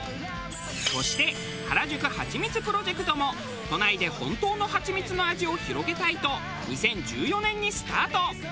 そして原宿ハチミツプロジェクトも都内で本当のハチミツの味を広げたいと２０１４年にスタート。